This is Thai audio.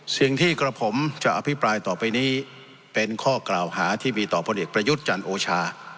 สิ่งที่กระผมจะอภิปรายต่อไปนี้เป็นข้อกล่าวหาที่มีต่อพลเอกประยุทธ์จันทร์โอชา